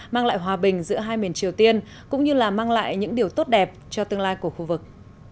mang lại hòa bình giữa hai miền triều tiên cũng như là mang lại những điều tốt đẹp cho tương lai của khu vực